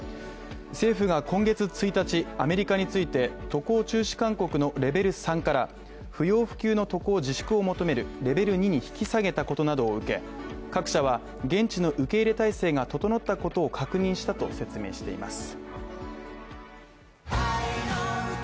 政府が今月１日、アメリカについて渡航中止勧告のレベル３から不要不急の渡航自粛を求めるレベル２に引き下げたことなどを受け各社は現地の受け入れ体制が整ったことを確認したと説明しています。